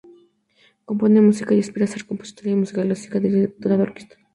Compone música y aspira a ser compositora de música clásica y directora de orquesta.